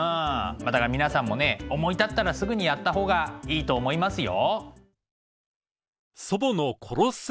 まあだから皆さんもね思い立ったらすぐにやった方がいいと思いますよ。